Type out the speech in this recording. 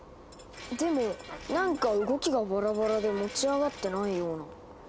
でもなんか動きがバラバラで持ち上がってないような。